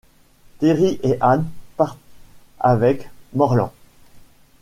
Terry et Anne partent avec Morlan.